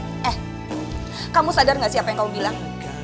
eh kamu sadar gak sih apa yang kamu bilang